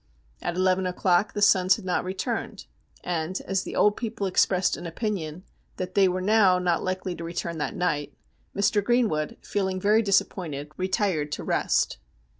At eleven o'clock the sons had not returned, and, as the old people expressed an opinion that they were now not likely to return that night, Mr. Greenwood, feeling very disappointed, retired to rest.